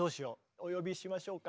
お呼びしましょうか。